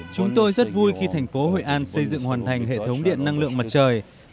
chúng tôi rất vui khi thành phố hội an xây dựng hoàn thành hệ thống điện năng lượng mặt trời